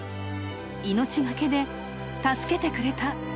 命がけで助けてくれた。